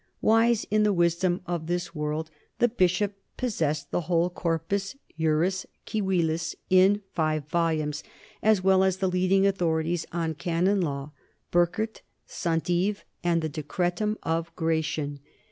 Wise in the wisdom of this world, the bishop possessed the whole Corpus Juris Civilis in five volumes, as well as the leading authorities on canon law, Burchard, St. Ives, and the Decretum of Gratian.